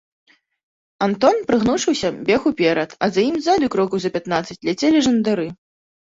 Антон, прыгнуўшыся, бег уперад, а за ім ззаду крокаў за пятнаццаць ляцелі жандары.